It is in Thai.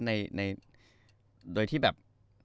ในโดยที่แบบ